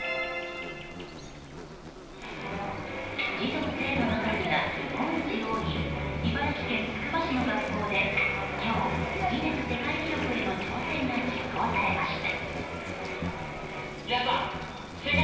児童・生徒の数が日本一多い茨城県つくば市の学校で今日ギネス世界記録への挑戦が実行されました。